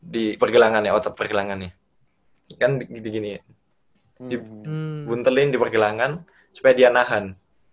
di pergelangan ya otot perkilangannya kan gini gini dibuntelin di pergelangan supaya dia nahan